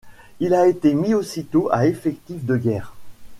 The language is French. Il a été mis aussitôt à effectif de guerre.